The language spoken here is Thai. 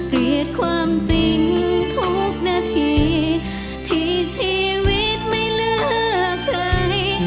เกลียดความจริงทุกนาทีที่ชีวิตไม่เลือกใคร